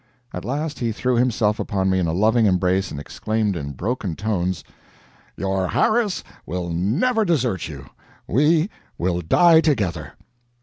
At last he threw himself upon me in a loving embrace and exclaimed in broken tones: "Your Harris will never desert you. We will die together."